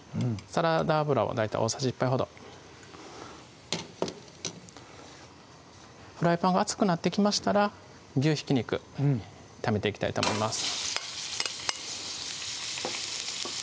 サラダ油を大体大さじ１杯ほどフライパンが熱くなってきましたら牛ひき肉炒めていきたいと思います